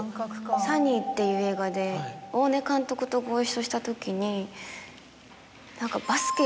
『ＳＵＮＮＹ』っていう映画で大根監督とご一緒したときに何か。